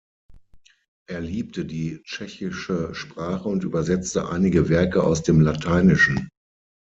Er liebte die tschechische Sprache und übersetzte einige Werke aus dem Lateinischen.